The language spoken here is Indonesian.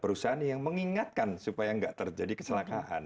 perusahaan yang mengingatkan supaya nggak terjadi kecelakaan